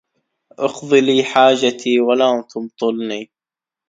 اقضِ لي حاجتي ولا تمطلني